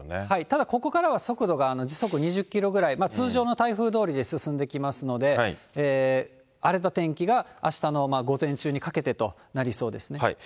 ただ、ここからは速度が時速２０キロぐらい、通常の台風どおりに進んできますので、荒れた天気があしたの午前中にかけてとなりそうですね。